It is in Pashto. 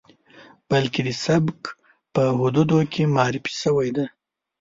بلکې د سبک په حدودو کې معرفي شوی دی.